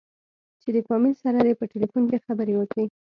چې د فاميل سره دې په ټېلفون کښې خبرې وکې.